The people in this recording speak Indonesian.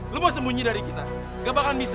lo mau sembunyi dari kita gak bakalan bisa